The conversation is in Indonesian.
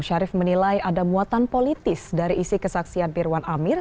syarif menilai ada muatan politis dari isi kesaksian mirwan amir